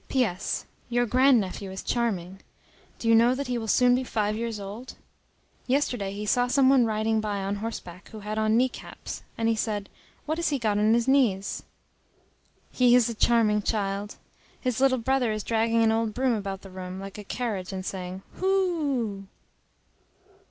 P.S. Your grand nephew is charming. Do you know that he will soon be five years old? Yesterday he saw some one riding by on horseback who had on knee caps, and he said, "What has he got on his knees?" He is a charming child! His little brother is dragging an old broom about the room, like a carriage, and saying, "Hu!"